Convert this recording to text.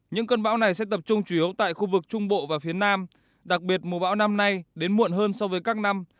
những cơn bão này sẽ tập trung chủ yếu tại khu vực trung bộ và phía nam đặc biệt mùa bão năm nay đến muộn hơn so với các năm